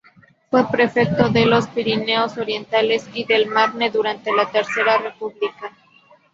Fue prefecto de los Pirineos Orientales y del Marne durante la Tercera República.